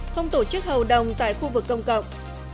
không tổ chức hầu đồng tại khu vực công cộng